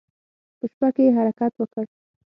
په شپه کې يې حرکت وکړ.